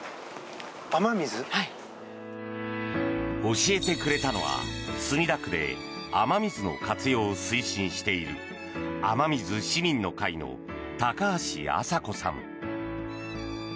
教えてくれたのは、墨田区で雨水の活用を推進している雨水市民の会の高橋朝子さん。